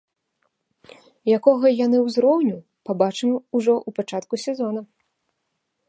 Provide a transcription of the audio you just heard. Якога яны ўзроўню, пабачым ужо ў пачатку сезона.